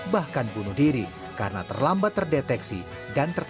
bahkan bunuh diri karena terlambat terdeteksi dan tertentu